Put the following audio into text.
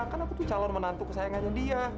karena aku tuh calon menantu kesayangannya dia